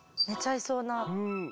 寝ちゃいそうな。